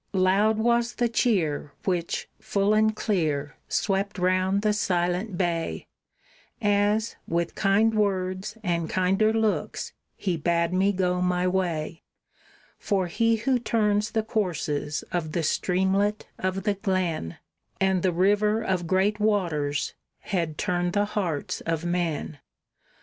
Loud was the cheer which, full and clear, swept round the silent bay, As, with kind words and kinder looks, he bade me go my way; For He who turns the courses of the streamlet of the glen, And the river of great waters, had turned the hearts of men.